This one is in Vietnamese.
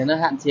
nó hạn chế